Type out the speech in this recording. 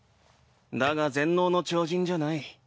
だが全能の超人じゃない。